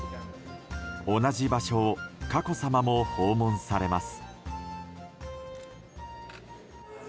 同じ場所を佳子さまも訪問されます。